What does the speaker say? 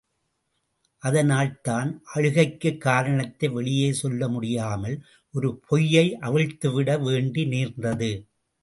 அதனால் தான் அழுகைக்குக் காரணத்தை வெளியே சொல்லமுடியாமல் ஒரு பொய்யை அவிழ்த்து விட வேண்டி நேர்ந்தது.